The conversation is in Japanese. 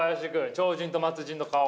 超人と末人の顔。